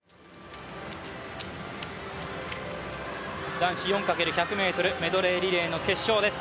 男子４×１００ｍメドレーリレーの決勝です。